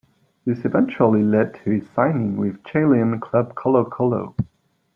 This eventually led to his signing with Chilean club Colo-Colo.